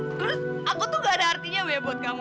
terus aku tuh gak ada artinya ya buat kamu